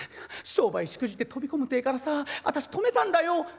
「商売しくじって飛び込むってえからさあたし止めたんだよ。